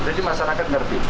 jadi masyarakat ngerti